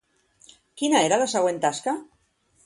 Quina era la següent tasca?